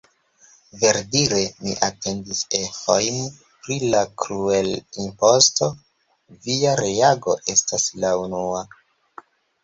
Verdire, mi atendis eĥojn pri la "kruel-imposto", via reago estas la unua.